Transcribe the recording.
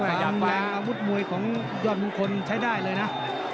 มีแรงละมุดมวยของยอดบุคคลใช้ได้เลยนะ